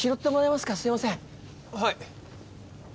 はい。